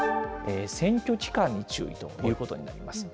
選挙期間に注意ということになります。